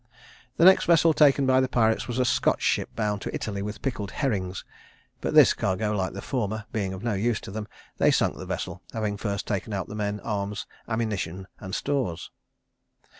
The next vessel taken by the pirates was a Scotch ship bound to Italy with pickled herrings; but this cargo, like the former, being of no use to them, they sunk the vessel, having first taken out the men, arms, ammunition, and stores.